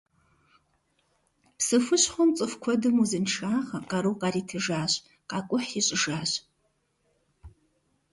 Псы хущхъуэм цӀыху куэдым узыншагъэ, къару къаритыжащ, къакӀухь ищӀыжащ.